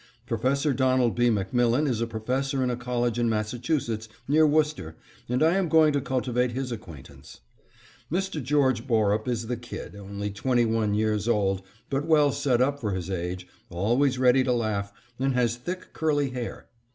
Professor Donald B. MacMillan is a professor in a college in Massachusetts, near Worcester, and I am going to cultivate his acquaintance. Mr. George Borup is the kid, only twenty one years old but well set up for his age, always ready to laugh, and has thick, curly hair.